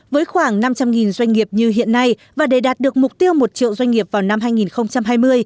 với khoảng năm trăm linh doanh nghiệp như hiện nay và để đạt được mục tiêu một triệu doanh nghiệp vào năm hai nghìn hai mươi